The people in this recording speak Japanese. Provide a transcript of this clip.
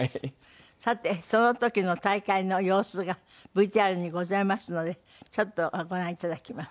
さてその時の大会の様子がＶＴＲにございますのでちょっとご覧頂きます。